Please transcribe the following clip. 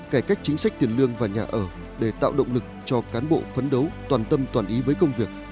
cải cách chính sách tiền lương và nhà ở để tạo động lực cho cán bộ phấn đấu toàn tâm toàn ý với công việc